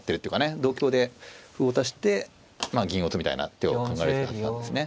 同香で歩を打たせて銀を打つみたいな手を考えられてたはずなんですね。